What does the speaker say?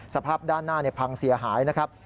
สภาพด้านหน้าพังเสียหายนะครับ